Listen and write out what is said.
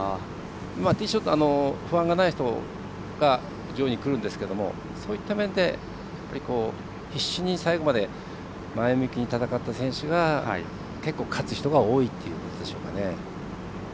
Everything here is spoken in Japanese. ティーショット、不安がない人が上位にくるんですけどそういった面で必死に最後まで前向きに戦った選手が結構勝つ人が多いということでしょうかね。